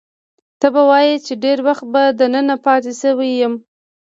ته به وایې چې ډېر وخت به دننه پاتې شوی یم.